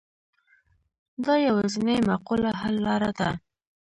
دا یوازینۍ معقوله حل لاره ده.